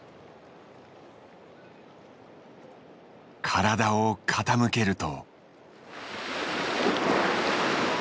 体を傾けると。